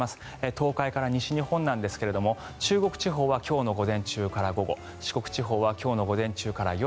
東海から西日本なんですが中国地方は今日の午前中から午後四国地方は今日の午前中から夜。